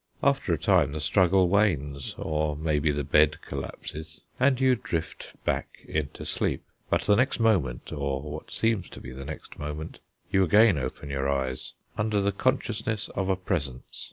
After a time the struggle wanes, or maybe the bed collapses; and you drift back into sleep. But the next moment, or what seems to be the next moment, you again open your eyes under the consciousness of a presence.